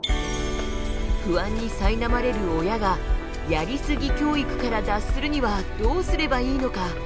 不安にさいなまれる親が「やりすぎ教育」から脱するにはどうすればいいのか？